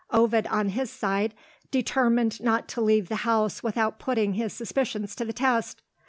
Ovid, on his side, determined not to leave the house without putting his suspicions to the test.